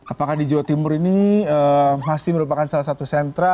apakah di jawa timur ini masih merupakan salah satu sentra